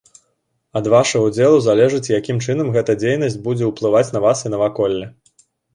Ад ваша ўдзелу залежыць якім чынам гэта дзейнасць будзе ўплываць на вас і наваколле.